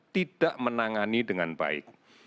tidak menangani dengan baik